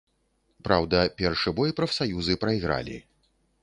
Праўда, першы бой прафсаюзы прайгралі.